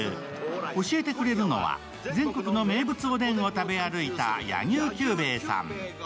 教えてくれるのは、全国の名物おでんを食べ歩いた柳生久兵衛さん。